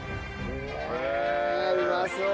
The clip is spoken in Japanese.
へえうまそう！